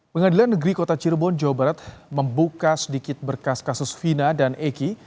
pengadilan negeri kota cirebon jawa barat membuka sedikit berkas kasus vina dan eki